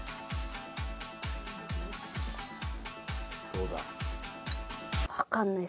どうだ？